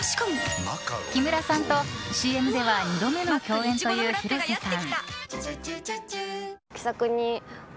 木村さんとＣＭでは２度目の共演という広瀬さん。